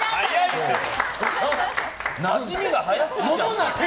なじみが早すぎちゃって。